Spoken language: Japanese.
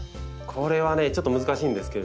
これはねちょっと難しいんですけれども。